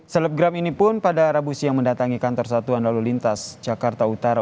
selebgram ini pun pada rabu siang mendatangi kantor satuan lalu lintas jakarta utara